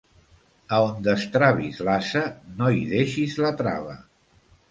A on destravis l'ase, no hi deixis la trava.